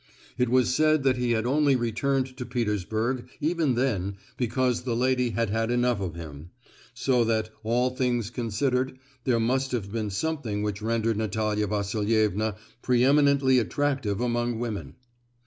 It was said that he had only returned to Petersburg even then because the lady had had enough of him; so that, all things considered, there must have been something which rendered Natalia Vasilievna preeminently attractive among women.